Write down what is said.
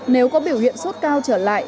nếu có biểu hiện sốt cao trở lại